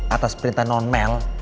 atas perintah nonmel